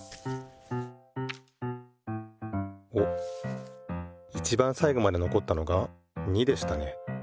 おっいちばんさいごまでのこったのが２でしたね。